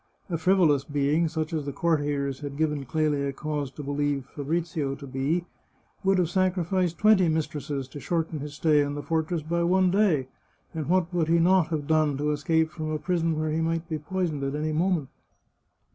A frivolous being, such as the courtiers had given Clelia cause to believe Fabrizio to be, would have sacrificed twenty mistresses to shorten his stay in the fortress by one day, and what would he not have done to escape from a prison where he might be poisoned at any moment